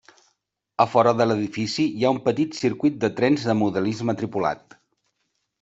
A fora de l'edifici hi ha un petit circuit de trens de modelisme tripulat.